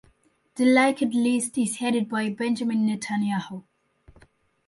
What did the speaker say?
The Likud list is headed by Benjamin Netanyahu.